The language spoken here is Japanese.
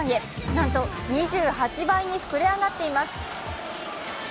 なんと２８倍に膨れ上がっています。